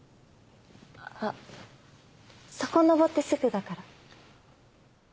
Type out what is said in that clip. あっそこ上ってすぐだから。